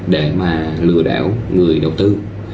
để mà lừa đảo người đầu tư